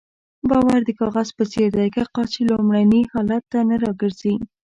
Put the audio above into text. باور د کاغذ په څېر دی که قات شي لومړني حالت ته نه راګرځي.